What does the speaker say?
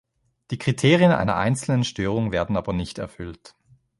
Die Kriterien einer einzelnen Störung werden aber nicht erfüllt.